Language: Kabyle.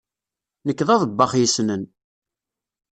Nekk d aḍebbax yessnen.